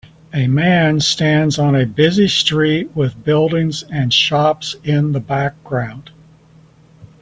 A man stands on a busy street with buildings and shops in the background.